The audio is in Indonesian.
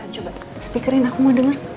coba speakerin aku mau denger